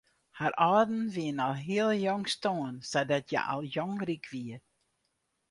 Har âlden wiene al hiel jong stoarn sadat hja al jong ryk wie.